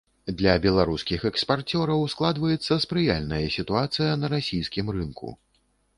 Для беларускіх экспарцёраў складваецца спрыяльная сітуацыя на расійскім рынку.